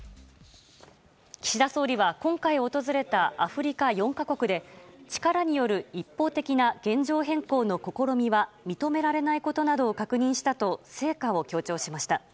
岸田総理は今回訪れたアフリカ４か国で力による一方的な現状変更の試みは認められないことなど成果を強調しました。